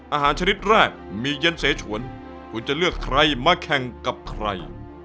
ชนิดแรกมีเย็นเสฉวนคุณจะเลือกใครมาแข่งกับใคร